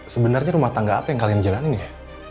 sebenarnya rumah tangga apa yang kalian jalanin ya